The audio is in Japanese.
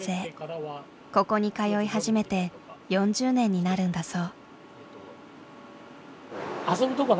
ここに通い始めて４０年になるんだそう。